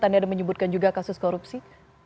dan anda menyebutkan juga kasus korupsi